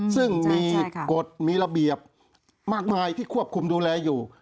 ซึ่งมีกฎมีระเบียบมากมายที่ควบคุมดูแลอยู่